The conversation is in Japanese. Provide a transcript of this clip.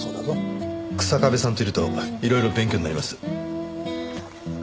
日下部さんといるといろいろ勉強になります。